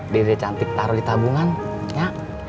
dia cantik taruh di tabungan ya